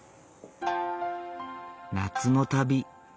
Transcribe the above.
夏の旅。